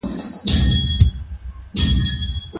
اسلامي آداب په کار کي څنګه مراعات کېږي؟